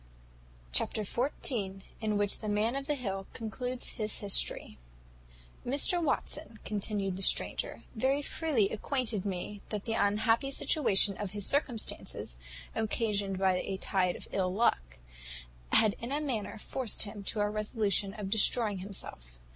Chapter xiv. In which the Man of the Hill concludes his history. "Mr Watson," continued the stranger, "very freely acquainted me, that the unhappy situation of his circumstances, occasioned by a tide of ill luck, had in a manner forced him to a resolution of destroying himself.